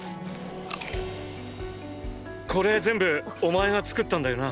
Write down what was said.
これ全部お前が作ったんだよな？